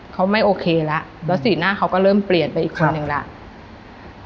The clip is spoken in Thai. เขาไม่โอเคแล้วแล้วสีหน้าเขาก็เริ่มเปลี่ยนไปอีกคนนึงแล้ว